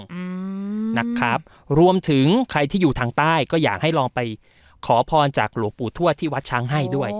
อืมนะครับรวมถึงใครที่อยู่ทางใต้ก็อยากให้ลองไปขอพรจากหลวงปู่ทวดที่วัดช้างให้ด้วย